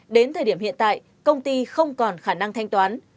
đến thời điểm hiện tại công ty không còn khả năng thanh toán